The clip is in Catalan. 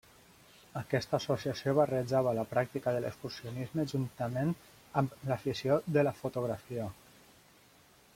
Aquesta associació barrejava la pràctica de l'excursionisme juntament amb l'afició de la fotografia.